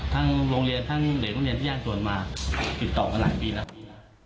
โรงเรียนทั้งเด็กโรงเรียนที่แยกส่วนมาติดต่อมาหลายปีแล้ว